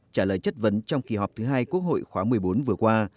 trả lời chất vấn trong kỳ họp thứ hai quốc hội khóa một mươi bốn vừa qua